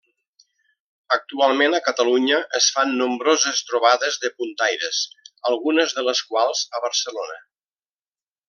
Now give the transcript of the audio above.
Actualment, a Catalunya es fan nombroses trobades de puntaires, algunes de les quals a Barcelona.